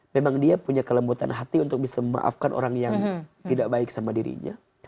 memang dia punya kelembutan hati untuk bisa memaafkan orang yang tidak baik sama dirinya